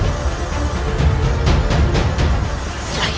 dan saya akan menyerah